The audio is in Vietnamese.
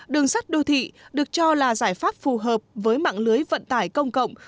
đường sắt đô thị được cho là giải pháp phù hợp với mạng lưới vận tải công cộng